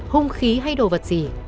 hung khí hay đồ vật gì